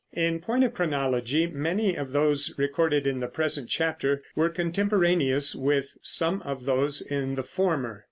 In point of chronology, many of those recorded in the present chapter were contemporaneous with some of those in the former.